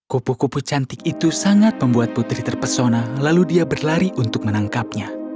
kupu kupu cantik itu sangat membuat putri terpesona lalu dia berlari untuk menangkapnya